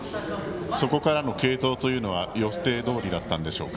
そこからの継投は予定どおりだったんでしょうか？